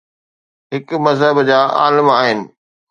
هڪ مذهب جا عالم آهن.